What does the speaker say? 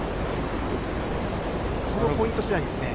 このポイント次第ですね。